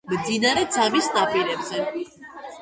მდინარე ძამის ნაპირებზე.